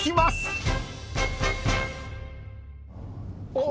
おっ。